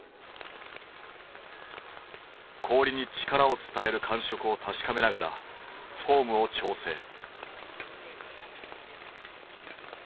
氷に力を伝える感触を確かめながらフォームを調整。